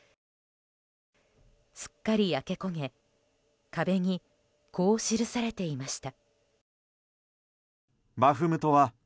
すっかり焼け焦げ壁に、こう記されていました。